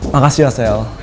makasih ya sel